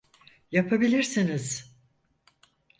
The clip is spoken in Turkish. Yapabilirsiniz!